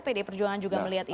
pd perjuangan juga melihat itu